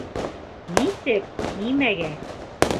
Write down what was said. Нисек: нимәгә?